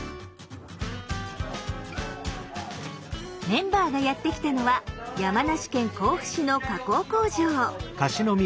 メンバーがやって来たのは山梨県甲府市の加工工場。